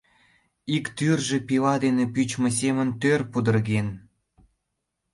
Ик тӱржӧ пила дене пӱчмӧ семын тӧр пудырген.